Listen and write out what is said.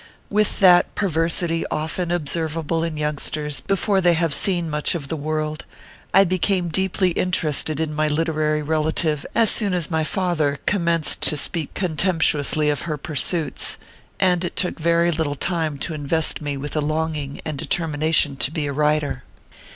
With that perversity often observable in youngsters before they have seen much of the world, I became deeply interested in my lite rary relative as soon as my father commenced to speak contemptuously of her pursuits, and it took very little time to invest me with a longing and de termination to be a writer.